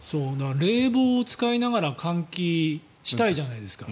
冷房を使いながら換気したいじゃないですか。